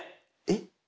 えっ？